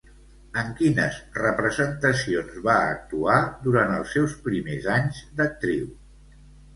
En quines representacions va actuar durant els seus primers anys d'actriu?